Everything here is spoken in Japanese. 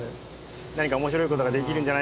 何か面白い事ができるんじゃないかな